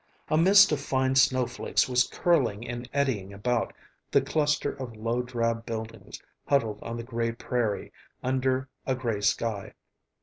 A mist of fine snowflakes was curling and eddying about the cluster of low drab buildings huddled on the gray prairie, under a gray sky.